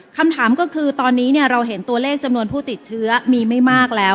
คำถามก็คือตอนนี้เราเห็นตัวเลขจำนวนผู้ติดเชื้อมีไม่มากแล้ว